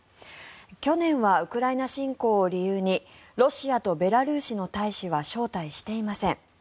去年はウクライナ侵攻を理由にロシアとベラルーシの大使は招待していません。